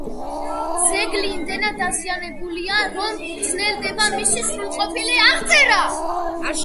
ძეგლი იმდენად დაზიანებულია, რომ ძნელდება მისი სრულყოფილი აღწერა.